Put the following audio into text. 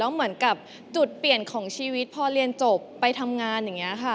เหมือนกับจุดเปลี่ยนของชีวิตพอเรียนจบไปทำงานอย่างนี้ค่ะ